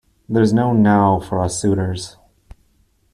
There's no now for us suitors.